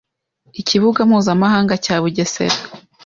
ikibuga mpuzamahanga cya Bugesera